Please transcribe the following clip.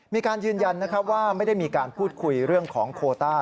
มีการยืนยันว่าไม่ได้มีการพูดคุยเรื่องของโควต้า